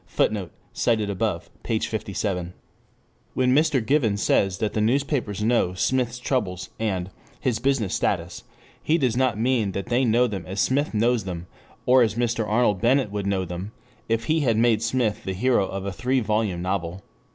[Footnote: Op. cit., p. 57.] When Mr. Given says that the newspapers know "Smith's troubles" and "his business status," he does not mean that they know them as Smith knows them, or as Mr. Arnold Bennett would know them if he had made Smith the hero of a three volume novel.